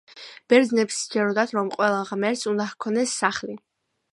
ბერძნებს სჯეროდათ, რომ ყველა ღმერთს უნდა ჰქონოდა სახლი.